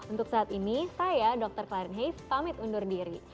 untuk saat ini saya dr klaren heis pamit undur diri